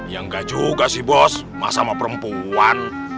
yang gak juga sih bos masa sama perempuan